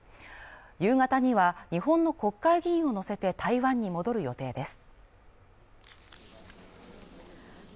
夕方には日本の国会議員を乗せて台湾に戻る予定です。